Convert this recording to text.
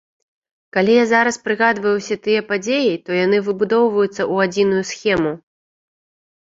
Калі я зараз прыгадваю ўсе тыя падзеі, то яны выбудоўваюцца ў адзіную схему.